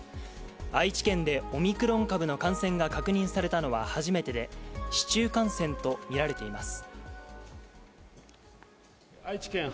愛知県でオミクロン株の感染が確認されたのは初めてで市中感染とみられています。